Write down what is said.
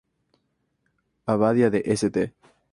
Abadía de St.